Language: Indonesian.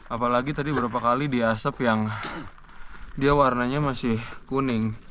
apalagi tadi beberapa kali di asap yang dia warnanya masih kuning